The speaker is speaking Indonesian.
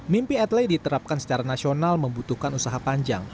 mimpi atlet diterapkan secara nasional membutuhkan usaha panjang